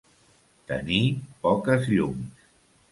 Tenir poques llums.